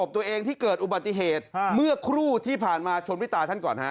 ตัวเองที่เกิดอุบัติเหตุเมื่อครู่ที่ผ่านมาชนด้วยตาท่านก่อนฮะ